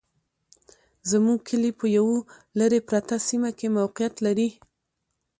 زموږ کلي په يوه لري پرته سيمه کي موقعيت لري